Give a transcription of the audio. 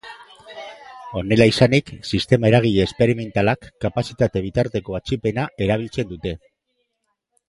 Honela izanik, sistema eragile esperimentalak kapazitate bitarteko atzipena erabiltzen dute.